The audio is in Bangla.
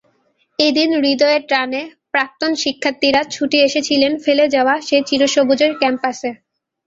এদিন হূদয়ের টানে প্রাক্তন শিক্ষার্থীরা ছুটে এসেছিলেন ফেলে যাওয়া সেই চিরসবুজের ক্যাম্পাসে।